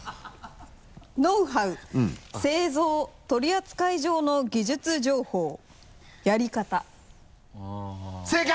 「ノウハウ製造・取り扱い上の技術情報」「やり方」正解！